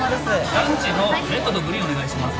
ランチのレッドとグリーンお願いします